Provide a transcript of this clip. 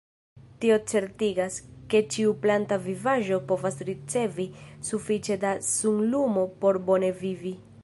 Tio certigas, ke ĉiu planta vivaĵo povas ricevi sufiĉe da sunlumo por bone vivi.